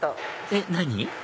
えっ何？